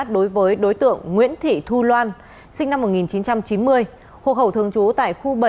đối với đối tượng nguyễn thị thu loan sinh năm một nghìn chín trăm chín mươi hộ khẩu thường trú tại khu bảy